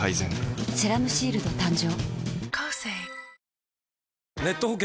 「セラムシールド」誕生